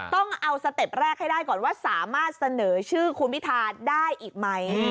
ต้องเอาสเต็ปแรกให้ได้ก่อนว่าสามารถเสนอชื่อคุณพิทาได้อีกไหม